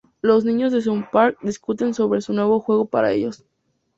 Los niños de South Park discuten sobre un nuevo juego para ellos.